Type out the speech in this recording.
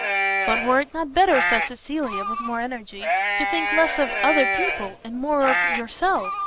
"But were it not better," said Cecilia, with more energy, "to think less of other people, and more of _yourself?